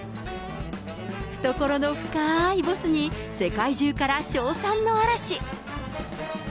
懐の深いボスに、世界中から称賛の嵐。